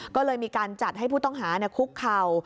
ก็เลยมีการจัดให้ผู้ต้องหาคุกเข่า